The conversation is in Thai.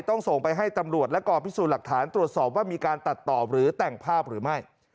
ส่งไปให้ตำรวจและกองพิสูจน์หลักฐานตรวจสอบว่ามีการตัดต่อหรือแต่งภาพหรือไม่